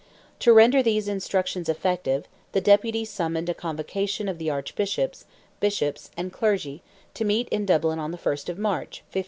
To render these instructions effective, the Deputy summoned a convocation of the Archbishops, Bishops, and Clergy, to meet in Dublin on the 1st of March, 1551.